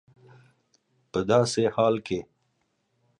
په داسي حال کي